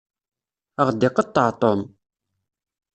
Ad aɣ-d-iqeṭṭeɛ Tom.